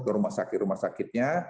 ke rumah sakit rumah sakitnya